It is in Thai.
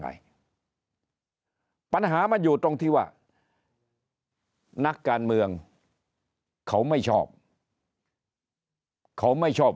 อะไรปัญหามันอยู่ตรงที่ว่านักการเมืองเขาไม่ชอบเขาไม่ชอบ